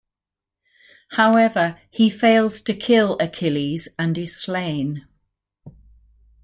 However, he fails to kill Achilles, and is slain.